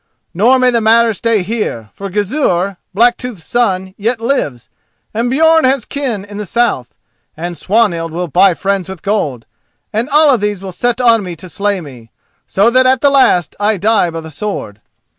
Nor may the matter stay here, for Gizur, Blacktooth's son, yet lives, and Björn has kin in the south, and Swanhild will buy friends with gold, and all of these will set on me to slay me, so that at the last I die by the sword."